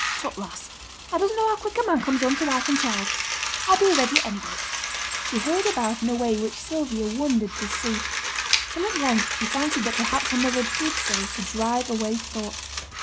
'Tut, lass! thou doesn't know how quick a man comes home to wife and child. I'll be a' ready at any rate.' She hurried about in a way which Sylvia wondered to see; till at length she fancied that perhaps her mother did so to drive away thought.